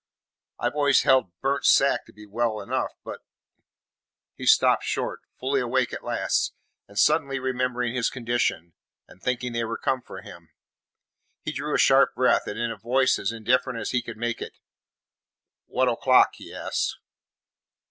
"I have always held burnt sack to be well enough, but " He stopped short, fully awake at last, and, suddenly remembering his condition and thinking they were come for him, he drew a sharp breath and in a voice as indifferent as he could make it: "What's o'clock?" he asked.